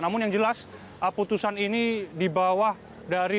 namun yang jelas putusan ini dibawah dari